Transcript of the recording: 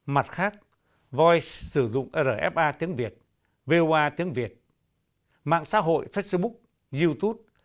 mặt khác voice sử dụng rfa tiếng việt voa tiếng việt mạng xã hội facebook youtube